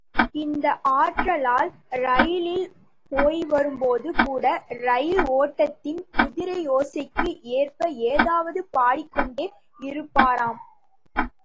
இந்த ஆற்றலால் ரெயிலில் போய்வரும் போது கூட ரெயில் ஓட்டத்தின் குதியோசைக்கு ஏற்ப ஏதாவது பாடிக் கொண்டே இருப்பாராம்.